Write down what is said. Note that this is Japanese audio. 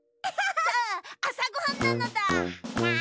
さああさごはんなのだ！